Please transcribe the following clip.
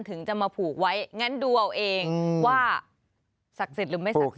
ถึงจะมาผูกไว้งั้นดูเอาเองว่าศักดิ์สิทธิ์หรือไม่ศักดิ์